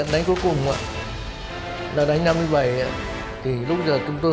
nhưng cũng đối tượng với